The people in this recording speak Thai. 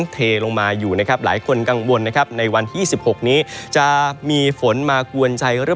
เทลงมาอยู่นะครับหลายคนกังวลนะครับในวันที่๒๖นี้จะมีฝนมากวนใจเรื่อง